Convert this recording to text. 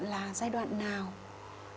là giai đoạn bệnh của bạn